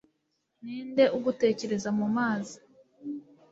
ni nde ugutekereza mu mazi